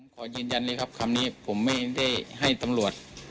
ขอยืนยันเลยครับคำนี้ผมไม่ได้ให้ตำรวจ